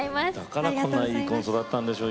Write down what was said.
だからこんないい子に育ったんでしょう。